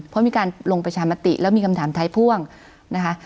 เพราะมีการลงประชามติแล้วมีคำถามท้ายพ่วงนะคะ